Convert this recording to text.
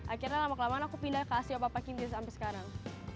akhirnya lama kelamaan aku pindah ke asiop apakinti sampai sekarang